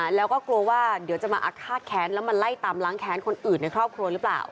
แล้วก็กลัวว่าเดี๋ยวจะมาอาฆาตแค้นแล้วมาไล่ตามล้างแค้นคนอื่นในครอบครัวหรือเปล่า